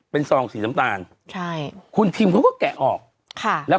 เป็นสองสีสัมตาลคุณทีมเค้าก็แกะออกแล้ว